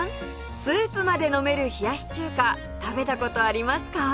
スープまで飲める冷やし中華食べた事ありますか？